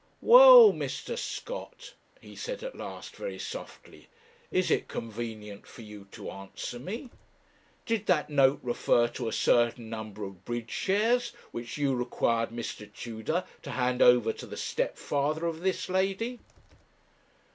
'Well, Mr. Scott,' he said at last, very softly, 'is it convenient for you to answer me? Did that note refer to a certain number of bridge shares, which you required Mr. Tudor to hand over to the stepfather of this lady?'